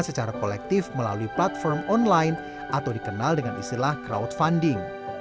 secara kolektif melalui platform online atau dikenal dengan istilah crowdfunding